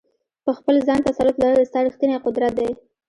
په خپل ځان تسلط لرل ستا ریښتینی قدرت دی.